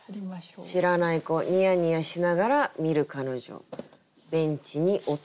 「知らない子ニヤニヤしながら見る彼女ベンチにおとなり」。